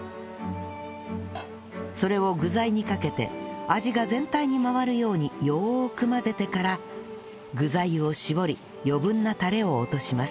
それを具材にかけて味が全体に回るようによーく混ぜてから具材を絞り余分なタレを落とします